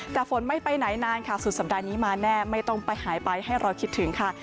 แต่ฝนไม่ไปไหนนานค่ะสุดสัปดาห์นี้มาแน่ไม่ต้องไปหายไปให้เราคิดถึงค่ะ